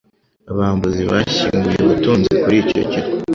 Abambuzi bashyinguye ubutunzi kuri icyo kirwa.